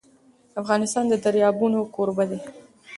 افغانستان د دریابونه کوربه دی.